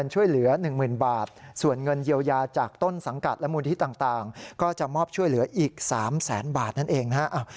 เจ้ายาจากต้นสังกัดและมูลทิศต่างก็จะมอบช่วยเหลืออีก๓แสนบาทนั่นเองนะครับ